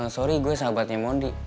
sorry gue sahabatnya mondi